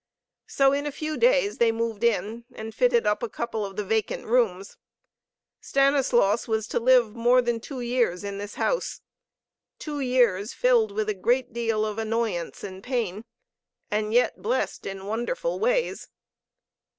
So in a few days they moved in, and fitted up a couple of the vacant rooms. Stanislaus was to live more than two years in this house, two years filled with a great deal of annoyance and pain, and yet blessed in wonderful ways.